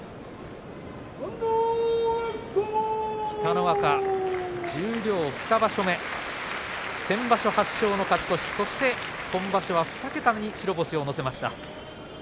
北の若、十両２場所目先場所８勝の勝ち越しそして今場所は２桁に白星を乗せました。